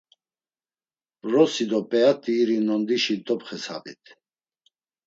Vrosi do p̌eat̆i iri nondişi dopxesabit.